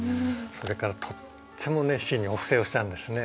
それからとっても熱心にお布施をしたんですね。